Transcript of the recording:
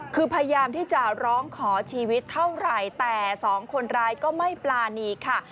คือพยายามที่จะร้องขอชีวิตเท่าไหร่แต่สองคนร้ายก็ไม่ปรานีค่ะ